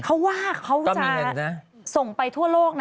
เขาว่าเขาจะส่งไปทั่วโลกนะ